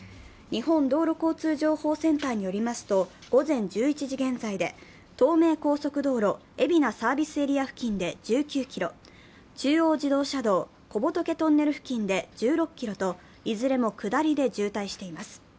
日本道路交通情報センターによりますと、午前１１時現在で、東名高速道路・海老名サービスエリア付近で１９ｋｍ、中央自動車道小仏トンネル付近で１６ｋｇといずれも下りで渋滞しています。